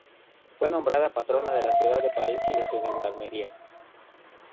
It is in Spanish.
Fue nombrada patrona de la ciudad de París y de su Gendarmería.